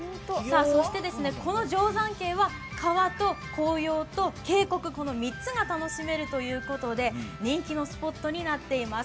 この定山渓は川と紅葉と渓谷の３つが楽しめるということで人気のスポットになっています。